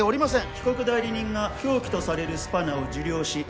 被告代理人が凶器とされるスパナを受領し鑑定に出すまでの間